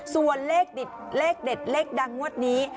ส่วนเลขเด็ดเล็กดังวดนี้